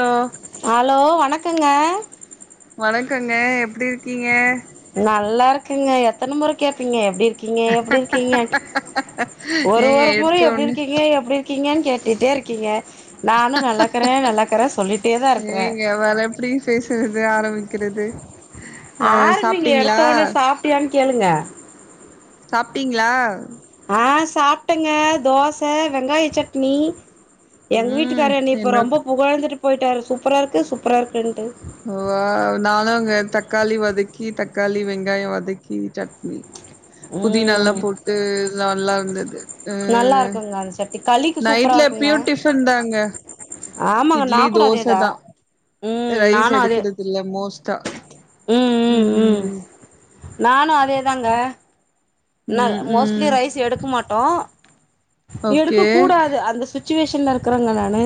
Hello hello வணக்கங்க டி இருக்கீங்க நல்லா இருக்கங்க எத்தன முற கேப்பீங்க எப்டி கீங்க எப்டி இருக்கீங்கன்டு ஒரு ஏங்க ஒரு முறை எடுத்த எப்டி ஒண்ணு இருக்கீங்க எப்டி கீங்கன்னு கேட்டுட்டே இருக்கீங்க நானு நல்லாக்கறே நல்லாக்கறே சொல்லிட்டே தா இருக்கறே ஏங்க வேற எப்டி பேசுறது ஆரம்பி கிறது ஆர்நீங்க எடுத்தோனே சாப்ட்டியான்னு கே கேளுங்க சாப்ட்டீங்ளா ஆ சாப்ட்டங்க தோச வெங்காய சட்னி எங் ம் வீட்டுக்கார் என்னேய்ப்ப என்ன ரொம்ப புகழ்ந்துட் போயிட்டார் சூப்பரா இருக்கு சூப்பரா இருக்குன்ட்டு வாவ் நானுங்க தக்காளி வதக்கி தக்காளி வெங்காய வதக்கி சட்னி புதினாலா ம் போட்டு நல்லா இருந்தது அ நல்லா இருக்குங்க அந்த சட்னி களிக்கு சூப்பரா நைட்ல இருக்குங்க எப்யு டிஃபன் தாங்க ஆமாங்க நா இட்லி கூட அதேதா தோசதா அ ரைஸ் எடுக்கிறதில்ல மோஸ் தா உம் உம் உம் நானோ அதேதாங்க நாக ம் மோஸ்ட்லி ம் ரைஸ் எடுக்கு மா டோ ஓகே எடுக்க கூடாது அந்த சிசு சிசுவேஷன்ல இருக்கிறங்க நானு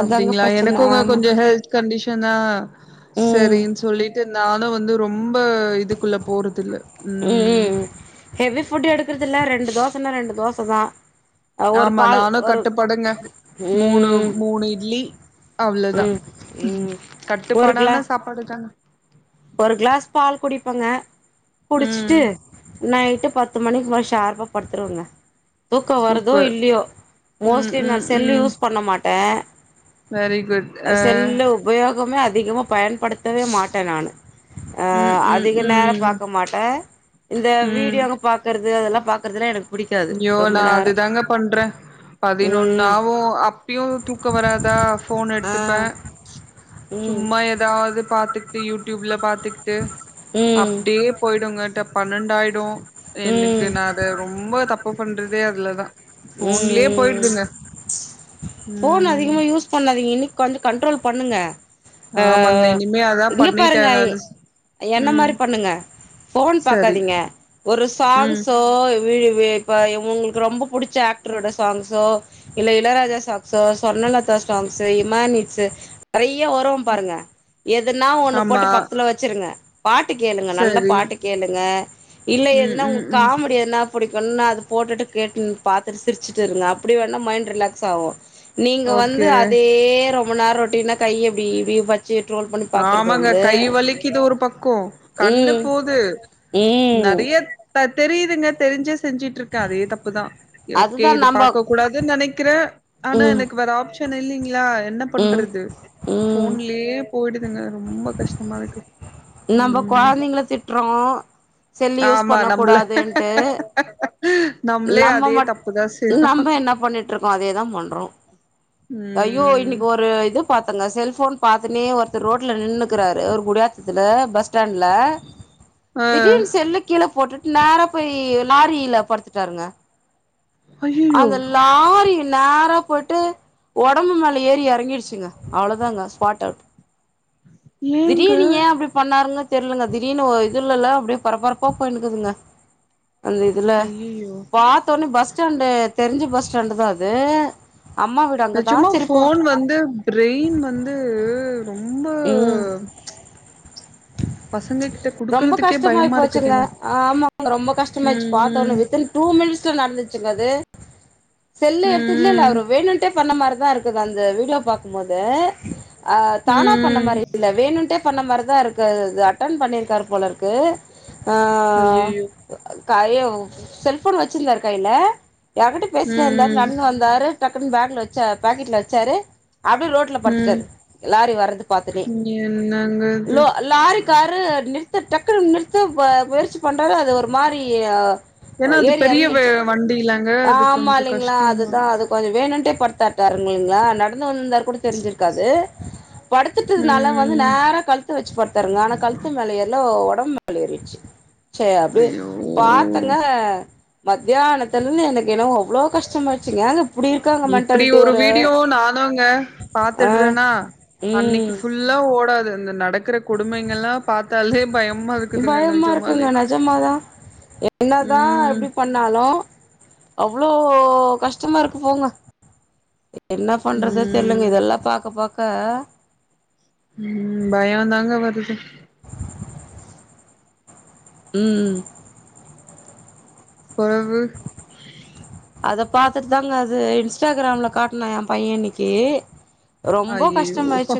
அதாங்க அப்டிங்ளா பிரச்சன எனக்கோங்க ஆமா கொஞ்சோ ஹெல்த் கண்டிசன்னா ம் செரினு சொல்லிட்டு நானு வந்து ரொம்ப இதுக்குள்ள போறதில்ல உம் ம் உம் ஹெவி ஃபுட் எடுக்குற ராத்திர்லா ரெண்டு தோசைன்னா ரெண்டு தோச தா அ ஒரு ஆமா பால் நானு ஒரு கட்டுப்பாடுங்க மூணு ம் மூணு இட்லி அவ்ளோதா ம் ம் ஒரு கிளா கட்டுப்பாடான சாப்பாடுதாங்க ஒரு கிளாஸ் பால் குடிப்பங்க குடிச்சிட்டு ம் நைட்டு பத்து மணிக்கு போல ஷார்பா படுத்துருவங்க தூக்கம் வருதோ சூப்பர் இல்லையோ ம் மோஸ்ட்லி நா ம் செல்லு ம் யூஸ் பண்ண மா ட்டே வெரி குட் அ ஆஹ் செல்லு உபயோகமே அ திகமாக பயன்படுத்தவே மாட்டே நானு ம் அஹ ம் அதிக நேரம் ம் பாக்க மாட்டே இந்த வீடியோங்க பாக்கற அது அதெல்லாம் பாக்கரதலா எனக் யோ நா அதுதாங்க பண்றே பதினொன் ம் ஆவும் அப்புயும் தூக்கம் வராதா ஃபோன் ஆ எடுத்துப்பேன் ம் சும்மா ஏதாவ்து பாத் து யூடியூப்ல பாத் துக்கிட்டு ம் ம் அப்டியே போய்டுங்க டப் பன்னெண்டாயிடும் எனக்கு ம் நா அத ரொம்ப தப் பு பண்றதே அதுலதா உம் ஃபோன்லயே உம் உம் போயிடுதுங்க ஃபோன் ம் அதிகமா யூஸ் பண்ணாதீங்க இன்னிக் கொஞ்சோ கண்ட்ரோல் பண்ணுங்க அ ஆமாங்க இனிமே அதா இங்க பண்ணிட்டே பாருங்க நானு என்ன ம் மாரி பண்ணுங்க ஃபோன் சரி பாக்காதீங்க ஒரு ம் சாங்ஸ்ஸோ வீடுவே இப்ப உங்களுக்கு ரொம்ப புடிச் சா ஆக்டரோட சாங்ஸோ இல்ல இளயராஜா சாங்ஸோ சொர்ணலதா சாங்ஸ் இமான் இட்ஸ் நறைய் ய உறவம் பாருங்க எதுனா ஒண்ணு ஆமா போட்டு பக்கத்துல வச்சிருங்க பாட்டு கேளுங்க நல்ல சரி பாட்டு கேளுங்க இல்ல ம் எதுனா உங்க ம் ம் காமெடி எதுனா புடிக் கன்னா அது போட்டுட்டு கேட்டுன் பாத்ட்டு சிரிச்சுட்டு இருங்க அப்டி வேணா மைண்ட் ரிலாக்ஸ் ஆவும் நீங்க வந்து ஓகே அதே ரொம் ப நேரம் ரோட்டினா கைய இப்டி இப்டி வச் ஆமாங்க கை வலிக்குது ஒரு பக்கம் கண்ணு ம் போது ம் நறைய ப அது தெரியுதுங்க தெரிஞ்சே செஞ்சுட்டு இருக்கே அதே தப்புதா ஓகே அதுதா இது நம்ப பாக்க கூடாதுன்னு நெனைக்கிற ஆனா ம் எனக்கு வேற ஆப்சன் [unintelligible] வந்தா என்ன ம் பண்றது ம் போன்லயே போயிடுதுங்க ரொம்ப கஷ்டமா இருக்கு நம்ம ம் குழந்தைங்கல திட்றோம் செல்லு யூஸ் ஆமா பண்ண நம்ள கூடாதுன்ட்டு நம்ளே நம்ம அதே மட் தப்புதா செய்றோ நம்ம என்ன பண்ணிட்ருக்கோம் அதேதான் பண்றோம் ஐயோ ம் இன்னிக்கு ஒரு இதுப் பாத்தங்க செல்போன் பாத்துன்னே ஒருத்தர் ரோட்ல நின்னுக்கிறாரு ஒரு குடியாத்தத்துல பஸ் ஸ்டாண்ட்ல ஆ திடீர்னு செல்லு கீழ போட்டுட்டு நேரா போய் லாரில படுத்துட்டாருங்க ஐயயோ அந்த லாரி நேரா போய்ட்டு உடம்பு மேல ஏறி இறங்கிடுச்சுங்க அவ்ளோதாங்க ஸ்பாட் அவுட் ஏங்க திடீர்னு ஏன் அப்டி பண்ணாருனு தெரியலங்க திடீர்னு ஒரு இதுலல்லா அப்டியே பரபரப்பா போயுனுகுதுங்க அந்த இதுல ஐயயோ பாத்தோனே பஸ் எனக் தெருஞ்ச பஸ் ஸ்டாண்டு் தான் அது அம்மா வீடு அங்கதா நெஜமா செரிப்போ போன் வந்து பிரெய்ன் வந்து ரொம்ப ம் ச் ரொம்ப கஷ்டமாயி பயமா போச்சுங்க இருக்குதுங்க. ஆமா ரொம்ப கஷ்டமாய்டுச்சு ம் ம். பாத்தோனே வித்தின் டூ மினிட்ஸ்ல நடந்துர்ச்சுங்க அது செல்லு எடுத்து இல்ல இல்ல ம் ம். அவுரு வேணுன்டே பண்ண மாரிதான் இருக்குது அந்த வீடியோ பாக்கும்போது அஹ் ம் தானா பண்ண ம். மாரி இல்ல வேணும்டே பண்ண மாரிதான் இருக் கு அது அட்டன் பண்ணிருக்காரு போலருக்கு ஆஹ் ஐயய்யோ! காயோ ஓ செல்போன் வச்சிருந்தாரு கையில யார்கிட்டயோ பேசிட்டு இருந்தாரு ம் ம். நடந்து வந்தாரு டக்குன்னு பேக்ல வாச்சா பாக்கெட்ல வச்சாரு அப்டியே ரோட்ல ம். படுத்துட்டாரு லாரி வர்றது பாத்துனே என்னங்க இது? லோ லாரி காரு நிறுத்த டக்குனு நிறுத்த முயற்சி பண்றாரு அது ஒரு மாரி ஆஹ் ஏன்னா அது பெரிய வ வண்டில ஆஹ் ஆமா இல்லைங்களா அதுதான் அது கொஞ்சோ வேணும்ட்டே படுத்தாட்டாருங்களீங்களா நடந்து வந்திருந்தாரு கூட தெரிஞ்சிருக்காது படுத்துட்டதுனால வந்து ம். நேரா கழுத்து வச்சு படுத்தாருங்க ஆனா கழுத்து மேல ஏரல உடம் உடம் நல்லாயிருச்சு சரி அபி ஐயோ! பாத்தங்க மத்யானத் [unintelligible] எனக்கு என்னவோ அவ்ளோ கஷ்டமாயிச் ஏங்க இப்டி இருக்காங்க இப்படி மென்டாலிட்டி ஒரு வீடியோ நானுங்க ஆ பாத்துடறனா அன்னைக்கு ம் ஃபுல்லா ஓடாது. இந்த நடக்கிற கொடுமைங்கள்ல்லா பாத்தாலே பயமா இருக்குதுங்க பயமா நெஜமாலே இருக்குங்க நெஜமாதா என்னதா ம் எப்டி பண்ணாலு அவ்ளோ கஷ்டமா இருக்கு போங்க என்ன பண்றத தெரியலைங்க ம் இதெல்லா பாக்க பாக்க க உம் பயோ தாங்க வருது உம் புரவு அத பாத்துட்டு தாங்க அது இன்ஸ்டாகிராம்ல காட்னா எ பைய்ய இன்னைக்கு அய்யயோ ப்பா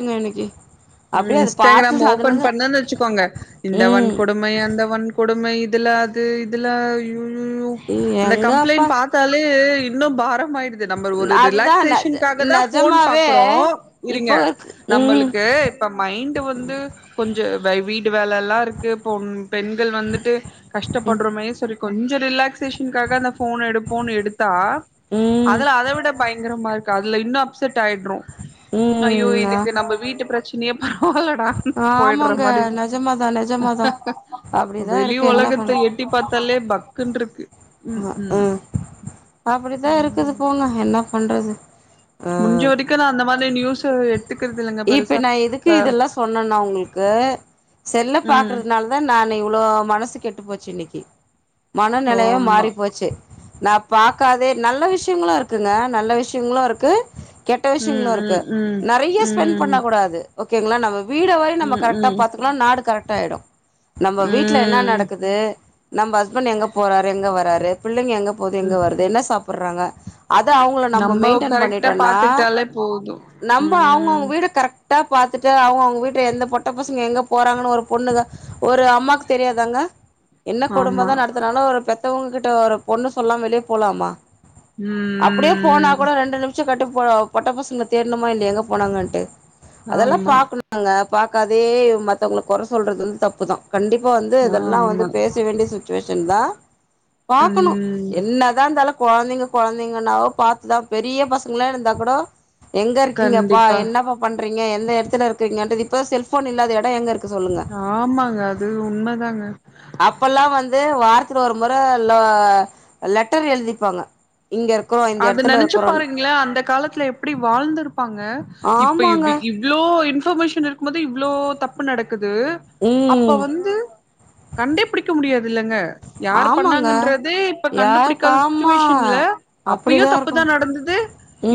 அப்டியே அது இன்ஸ்டாகிராம் பாத்து ஓப்பன் அதுலருந்து பண்ணனு வச்சுக்கோங்க இந்த ம் வன்கொடுமை அந்த வன்கொடுமை இதுல அது இதுல ம் அந்த கம்ப்ளைண்ட் எங்கப்பா பாத்தாலே இன்னும் பாரோ மாயிடுது நம்ப ஒரு அதுதா நெ ரிலாக்சேஷன்க்காகதா ஃபோன் நெஜமாவே பாக்குறோ இருங்க இப்போ இருக்கு ம் நம்மளுக்கு இப்ப மைண்டு வந்து கொஞ்சோ வை வீடு வேலல்லா இருக்கு பொன் பெண்கள் வந்துட்டு கஷ்டப்படறோமே சொல்லி கொஞ்சொ ரிலாக்சேஷன்காக அந்த ஃபோன எடுப் ஃபோன் எடுத் தா ம் ம் அதுல அத விட பயங்கரமா க அதுல இன்னு அப்செட் ஆயிடறோ ஐயோ ம் இதுக்கு நம்ப வீட்டு பிரச்சனயே போகலடா போயிடற ஆமாங்க மாரி நெஜமாதா நெஜமாதா அப்டிதா வெளி இருக்கு என்ன உலகத்த எட்டி பாத்தாலே பக் குன்றுருக்கு ஹ ம் அப்படிதா இருக்குது போங்க என்ன பன்றது முடிஞ்ச வரைக்கு நா அந்த மாரி நியூஸ இப்ப நா எதுக்கு இதெல்லா சொன்னன்னா உங்களுக்கு செல்ல ம் பாக்குறதுனாலதா நானு இவ்ளோ மனசு கெட் டு போச்சு இன்னக்கி மனநெலையம் ஆமா மாறி போச்சு நா பாக்காதே நல்ல விஷ்யங்களுருக்குங்க நல்ல விஷ்யங்களுருக்கு கெட்ட ம் விஷ்யங்ளு இருக்கு ம் ம் நெறைய பென் ம் பண்ணக் கூடாது ஓக்கேங்ளா நம்ம வீடோவை நம்ம ம் கரெக்டா ம் பாத்துக்கணு நாடு கரெட் டாயிடு நம்ம வீட்ல என்னா ம் நடக்குது நம்ப ஹஸ்பண்ட் எங்க போறாரு எங்க வராரு புள் ளைங்க எங்க போது எங்க ம் வருது என்ன சாப் புர்றாங்க அத அவுங்கள நம்ம மெயின்டன் கரெக்டா பண்ணிட்டொன்னா பாத்துக்கிட்டாலே போது நம்ப ம் அவுங்கவுங் ட்டா பாத்துட்டு அவுங்கவுங்க வீட்ல எந்த பொட்ட பசங்க எங்க போறாங்கனு ஒரு பொண்ணுக ஒரு அம்மாக்கு தெரியாதாங்க என்ன ஆமா கொடுமதா நடத்துனாலு ஒரு பெத் த்தவுங்ககிட்ட ஒரு பொண்ணு சொல்லாம வெளிய போலாமா ம் அப்புடியே போனா ம் கூட ரெண்டு நிமிஷொ கட்டு பொ பொட்ட பசங்ல தேட்ணுமா இல்லயா எங்க போனாங்கன்ட்டு அதெல்லா ஆமா பாக்கனுங்க பாக்காதேயே மத்தவங்கள கொற சொல்றது வந்து தப்புதா கண்டிப்பா வந்து இதெல்லா வந்து ஆமா பேச வேண்டி சு சுச்சுவேஷன்தா பாக்கணு ம் என்னதா இருந்தாலும் கொழந்தைங்க கொழந்தைங்கனாவ் பாத்துதா பெரிய பசங்ளா இருந்தா கூட எங்க இருக்கிங்கப்பா கண்டிப்பா என்னப்பா பன் பண்றீங்க எந்த எடத்துல இருக்கீங்கன் இப்போ செல்ஃபோன் இல்லாத எட எங்கருக்கு ஆமாங்க அது உண்மதாங்க அப்பல்லா வந்து வாரத்துல ஒரு முற லெ லெட்டர் எழுதிப்பாங்க இங்க இருக்குறோ இந்த அது எடத்துல நெனச்சு இருக்குறோன்னு பாருங்களே அந்த காலத் ல எப்டி வாழ்ந்திருப் ப்பாங்க இப்ப இவ் ஆமாங்க இவ்ளோ இன் இன்பர்மேசன் இருக்கும்போது இவ்ளோ தப்பு நடக்குது, அப்ப ம் வந்து கண்டே பிடிக்க முடியாதுல்லங்க. யாரு ஆமாங்க பண்ணாங்கன்றதே இப்ப யாருக்கு கண்டுபிடிக்காத ஆமா சுச்சுவேஷன்ல அப்பியு அப்டிதா இருக்கு தப்புதா நடந்தது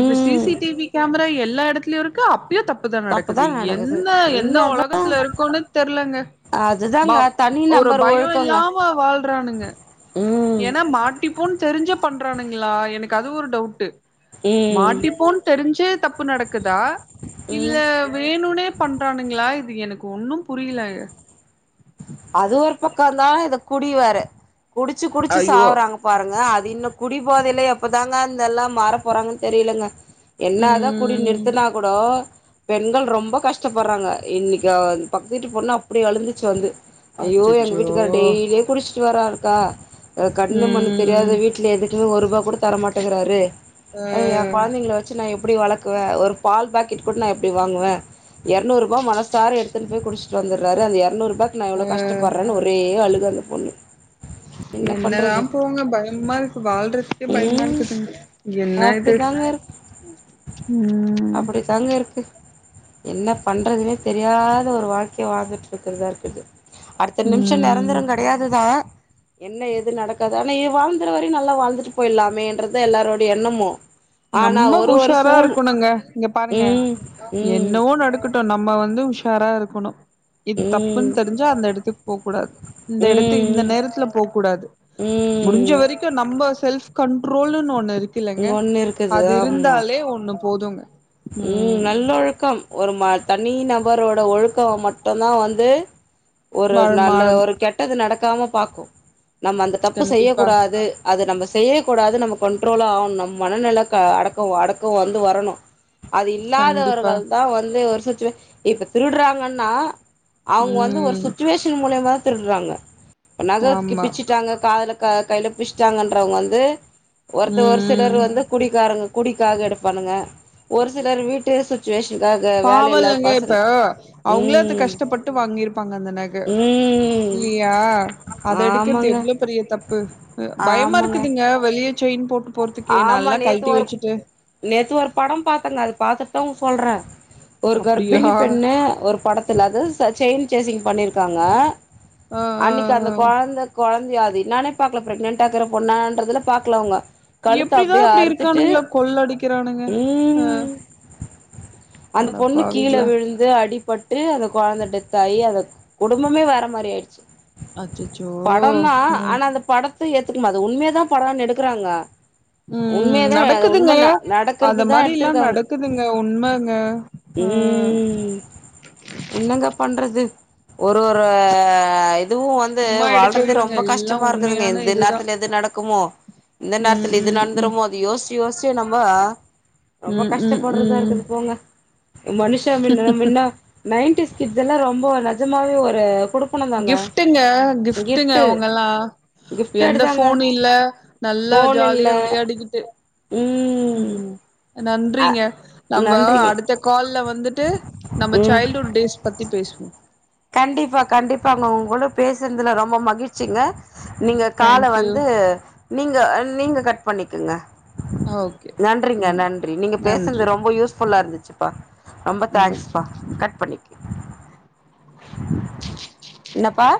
இப்ப சிசிடிவி கேமரா கேமரா எல்லா இடத்லியு இருக்கு அப்பியும் தப்பு தப்புதா நடக்குது நடக்குது என்ன எந்த என்னதா உலகத்துல இருக்கோன்னு தெர்லங்க ப அதுதாங்க தனி ஒரு நபர் பயம் ஒழுக்கங்க இல்லாம வாழ்றானுங்க ம் ஏனா மாட்டிப்போனு தெரிஞ்ச பண்றானுங்ளா எனக்கு அது ஒரு டவுட்டு ம் மாட்டிப்போன் தெரிஞ்சே தப்பு நடக்குதா, இல்ல ம் வேணுனே பண்றானுங்ளா இது எனக்கு ஒன்னு புரில அது ஒரு பக்கந்தா இத குடி வேற குடிச்சு குடிச்சு ஐயோ சாவறாங்க பாருங்க அது இன்னு குடி போதைல எப்பதாங்க அந்தெல்லா மாறப் போறாங்கனு தெரிலங்க என்னாதா குடி ம் நிறுத்தனா கூட பெண்கள் ரொம்ப கஷ்டப்பறாங்க இன்னிக்கி பக்த்துவீட்டு பொண்ணு அப்டி அழுதுச்சு வந்து ஐயோ எங்க அச்சச்சோ வீட்டுக்கார் டெய்லி குடிச்சு வரார்க்கா கண்ணு மண்ணு தெரியாத ம் வீட்ல எதுக்குமே ஒருபா கூட தரமாட்டுகறாரு அ எ கொழந்தைங்கள வச்சு நா எப் எப்டி வளக்குவ ஒரு பால் பாக்கிட் கூட நா எப்டி வாங்குவ எரநூறுபா மனசார எடுத்துன் போய் குடிச்சிட் வந்தராரு அந்த எரநூறுபாக்கு அ கஷ்டப்பட்றேனு ஒரே அழுக் கா அந்த பொண்ணு என்ன என்னதா பண்றது போங்க பயமா இருக்கு வாழ்றதுக்கே பயமா ம் இருக்குதுங்க என்னது அப்டித்தாங்க இருக்கு ம் அப்டித்தாங்க இருக்கு என்ன பண்றதுன்னே தெரியாத ஒரு வாழ்கைய வாழ்ந்துட்ருக்குறதா இருக்குது அடுத்த நிமிஷ ம் நெரந்திர கெடையாதுதா என்ன எது நடக்காது ஆனா ஏ வாழ்ந்தற வரையு நல்லா வாழ்ந்துட்டு போயிடலாமே என்றத எல்லாரோட அப்டி எண்ணமோ நம்ம உஷாரா இருக்குணுங்க இங்க பாருங்க ம் ம் என்னவோ நடக்கட்டு நம்ம வந்து உஷ ஷாரா இருக்குணு இது தப்புன்னு ம் தெரிஞ்சா அந்த இடத்துக்கு போ கூடாது இந்த இடத்து இந்த ம் நேரத்துல போ கூடாது முடிஞ்ச ம் வரைக்கு நம்ம செல்ப் கண்ட்ரோல்னு ஒன்னு இருக் ங்க ஒன்னு இருக் அது இருந்தாலே ஒன்னு போதுங்க ம் நல்லொழக்கம் ஒரு மா தனி நபரோட ஒழுக்கோ மட்டும்தா வந்து ஒரு நல்ல வாழமானம் ஒரு கெட்டது நடக் க்காம பாக்கு நம்ம அந்த தப்பு செய்யக் கண்டிப்பா கூடாது அது நம்ம செய்யக்கூடாது நம்ம கண்ட்ரோலாகாணு நம்ம மனநில அடக்க அடக்க வந்து வரணு அது கண்டிப்பா இல்லாதவர்கள்தா வந்து ஒரு சொச்சுவ இப்ப திருடுறாங்கன்னா அவங்க வந்து ஒரு ம் சுச்சுவேஷன் மூலியமா த்திருட்றங்க நக கி ஆமா பிச்சிட்டாங்க காதுல க கையில பிச்சிட்டாங்கன்றவங்க வந்து ஒருத்த ம் ஒரு சிலர் ம் வந்து குடிக்காரங்க குடிக்காக எடுப்பானுங்க ஒரு சிலர் வீட்டு சுச்சுவேஷ் பாவல்லங்க இப்போ அவங்கள அது ம் கஷ்டப்பட்டு வாங்கிருப்பாங்க அந்த நக ம் இல்லையா அத எடுக்கிறது ஆமாங்க எவ்வளவு பெரிய தப்பு பயமா ஆமாங்க இருக்குதுங்க வெளியே ஆமா நேத்து ஒரு நேத்து ஒரு படம் பாத்தங்க அது பாத்து த்தங்க சொல்றே ஒரு அப்டியா? கர்ப்பிணி பெண்ணு ஒரு படத்துல அது செயின் சேசிங் பண்ணிருக் க்காங்க அ, அ, அன்னைக்கு அந்த அ. குழந்த குழந்த அது என்னானே பாக்கல அவுங்க பிரெக்னென்ட்டா இருக்கிற பொண்ணான்றதுலா பாக்கல அவங்க கழுத்த எப்டிதா அப்டியே அப்டி அறுத்துட்டு இருக்கானுங்களோ கொள்ள அடிக்கிறானுங்க அஹ் ம் அந்த பொண்ணு கீழ விழுந்து அடிப்ப ட்டு அந்த குழந்த டெத்தாயி அந்த குடும்பமே வேற மாரி ஆயிடுச்சு அச்சச்சோ உஹ்ம் ஏத்துக்கனு அது உண்மயதா படம்ன்னு எடுக்குறாங்க ம், ம். உண்மயதா நடக்குதுங்க. உண்ம அந்த நடக்கறதுதா மாரிலாம் எடுத்திருக்காங்க நடக்குதுங்க. உண்மங்க. அ உம் என்னங்க பண்றது ஒரு ஒரு துவு வந்து சும்மா எடுக்கறது வாழ்றதே இல்லங்க. ரொம்ப எல்லாம் கஷ்டமா இருக்குதுங்க உண்மையான எந்த இதுதான். நேரத்தில எது நடக்குமோ எந்த ம், நேரத் இது ம், ம். நடந்துருமோ அது யோஸ்ச்சு யோஸ்ச்சே நம்ம ரொம்ப ம், ம், கஷ்டப்படுறதா ம். இருக்குது போங்க மனுஷன் நம்மன்ன நைன்டிஸ் கிட்ஸ்ல்லா ரொம்ப நெஜமாவே ஒரு குடுப்பனம் தாங்க கிப்ட்டுங்க கிப்ட்டுங்க கிஃப்ட் அவுங்கல்லா கிஃப்டட் எந்த தாங்க ஃபோன் இல்ல நல்லா ஃபோன் இல்ல ஜாலியா விளையாடிக்கிட்டு ம் அ நன்றிங்க நம்ம நன்றிங்க அடுத்த கால்ல வந்துட்டு நம்ம ம் சைல்ட்ஹுட் டேஸ் பத்தி பேசுவோம் கண்டிப்பா கண்டிப்பாங்க உங்களோட பேசுனதுல ரொம்ப மகிழ்ச்சிங்க நீங்க கால தேங்க்யூ வந்து நீங்க நீங்க கட் பண்ணிக்கங்க ஓகே நன்றிங்க ம் நன்றி நீங்க நன்றி பேசுனது ரொம்ப யூஸ் ஃபுல்லா இருந்துச்சுப்பா ரொம்ப ம் தேங்க்ஸ்பா கட் பண்ணிக்கு என்னப்பா